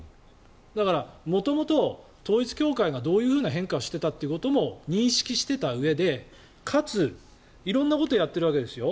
だから、元々統一教会がどういう変化をしていたということも認識していたうえでかつ、色んなことをやっているわけですよ